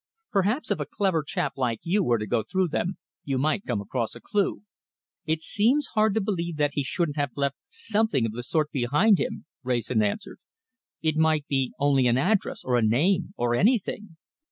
Perhaps if a clever chap like you were to go through them, you might come across a clue." "It seems hard to believe that he shouldn't have left something of the sort behind him," Wrayson answered. "It might be only an address, or a name, or anything."